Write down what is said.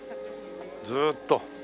ずーっと。